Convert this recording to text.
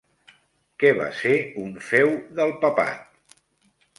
Què va ser un feu del papat?